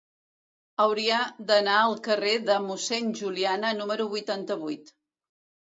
Hauria d'anar al carrer de Mossèn Juliana número vuitanta-vuit.